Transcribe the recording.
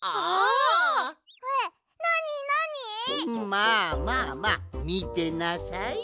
まあまあまあみてなさい。